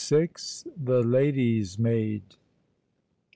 THE LADY'S MAID.